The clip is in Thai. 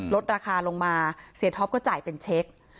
ลดราคาลงมาเสียท็อปก็จ่ายเป็นเช็ค